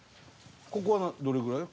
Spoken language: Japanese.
ここはどれぐらい？